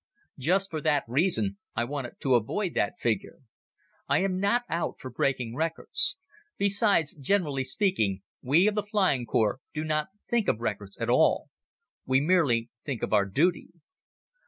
Just for that reason I wanted to avoid that figure. I am not out for breaking records. Besides, generally speaking, we of the Flying Corps do not think of records at all. We merely think of our duty.